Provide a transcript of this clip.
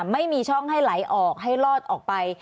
ไม่มีช่องให้ไหลออกให้ลอดออกไป